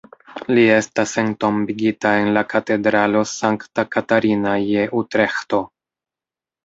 Li estas entombigita en la katedralo Sankta Katarina je Utreĥto.